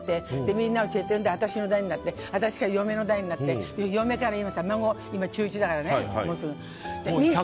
みんな教えて、私の代になって私から嫁の代になってって嫁から今、孫今、中１だからね、もうすぐ。